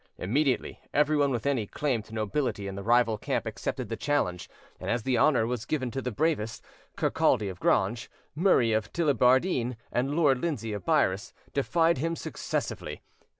Immediately everyone with any claim to nobility in the rival camp accepted the challenge; and as the honour was given to the bravest, Kirkcaldy of Grange, Murray of Tullibardine, and Lord Lindsay of Byres defied him successively.